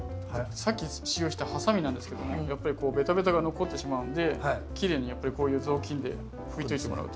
さっき使用したハサミなんですけどもやっぱりベタベタが残ってしまうんできれいにこういう雑巾で拭いといてもらうと。